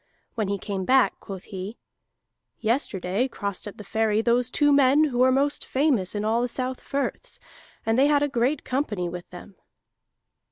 When he came back quoth he: "Yesterday crossed at the ferry those two men who are most famous in all the South Firths, and they had a great company with them."